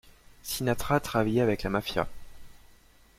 Sinatra travaillait avec la mafia.